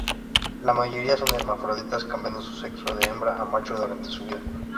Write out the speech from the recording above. La mayoría son hermafroditas, cambiando su sexo de hembra a macho durante su vida.